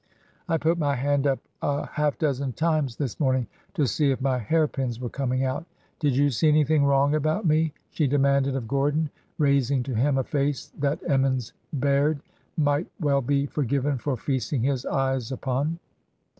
I put my hand up a half dozen times this morning to see if my hair pins were coming out. Did you see anything wrong about me ?" she demanded of Gordon, raising to him a face that Emmons Baird might well be forgiven for feasting his eyes upon.